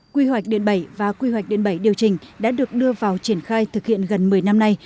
quy hoạch điện bảy và quy hoạch điện bảy điều chỉnh đã được đưa vào triển khai thực hiện gần một mươi năm nay